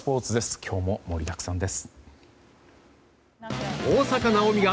今日も盛りだくさんです。